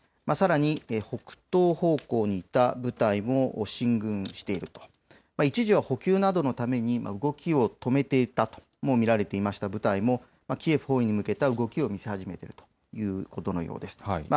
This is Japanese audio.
さらに、北東方向にいた部隊も進軍していると、一時は補給などのために動きを止めていたと見られていました部隊もキエフ包囲に向けた動きを見せ始めているということのようです。